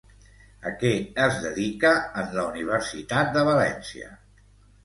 A què es dedica en la Universitat de València?